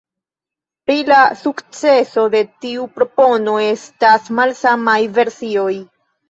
Pri la sukceso de tiu propono estas malsamaj versioj.